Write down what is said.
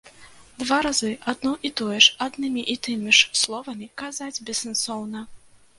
Два разы адно і тое ж аднымі і тымі ж словамі казаць бессэнсоўна.